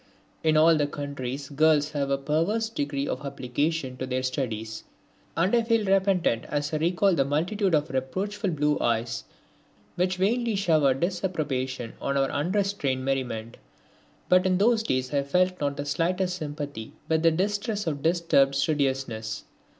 In all countries girls have a perverse degree of application to their studies, and I feel repentant as I recall the multitude of reproachful blue eyes which vainly showered disapprobation on our unrestrained merriment. But in those days I felt not the slightest sympathy with the distress of disturbed studiousness.